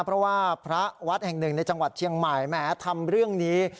เพราะว่าพระวัดแห่งหนึ่งในจังหวัดเชียงใหม่แหมทำเรื่องนี้